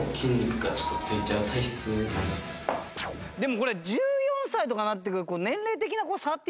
でもこれ１４歳とかになってくると。